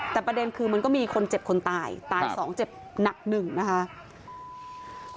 แต่ประเด็นคือมันก็มีคนเจ็บคนตายตาย๒เจ็บหนัก๑นะคะ